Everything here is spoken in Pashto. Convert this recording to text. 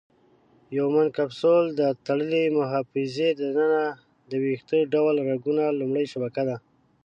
بومن کپسول د تړلې محفظې د ننه د ویښته ډوله رګونو لومړۍ شبکه ده.